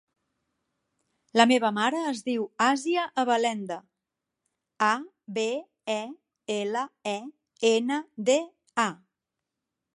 La meva mare es diu Àsia Abelenda: a, be, e, ela, e, ena, de, a.